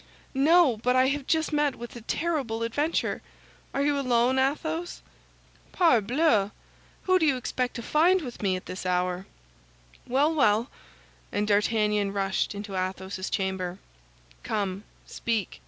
"No, but I have just met with a terrible adventure! Are you alone, Athos?" "Parbleu! whom do you expect to find with me at this hour?" "Well, well!" and D'Artagnan rushed into Athos's chamber. "Come, speak!"